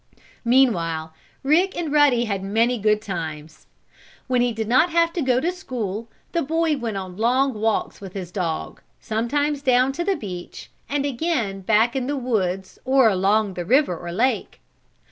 Meanwhile Rick and Ruddy had many good times. When he did not have to go to school, the boy went on long walks with his dog, sometimes down to the beach, and again back in the woods or along the river or lake.